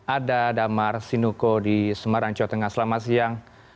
ada damar sinuko di semarang jawa tengah selama siang